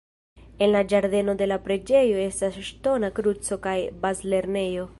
En la ĝardeno de la preĝejo estas ŝtona kruco kaj bazlernejo.